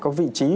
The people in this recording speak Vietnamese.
có vị trí